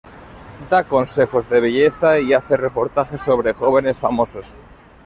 Da consejos de belleza y hace reportajes sobre jóvenes famosos.